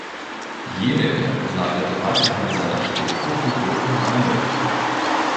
Jaenecke leitete weiterhin sein Architekturbüro in Malmö.